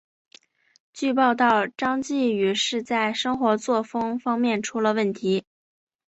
据报道张继禹是在生活作风方面出了问题。